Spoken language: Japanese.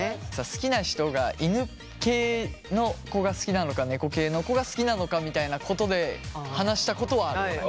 好きな人が犬系の子が好きなのか猫系の子が好きなのかみたいなことで話したことはある。